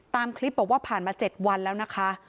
ตามคลิปบอกว่าผ่านมา๗วันแล้วนะคะ